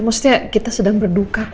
maksudnya kita sedang berduka